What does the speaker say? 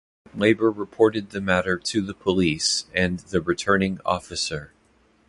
Labour reported the matter to the police and the returning officer.